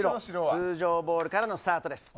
通常ボールからのスタートです。